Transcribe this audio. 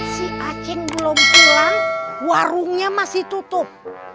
si acing belum pulang warungnya masih tutup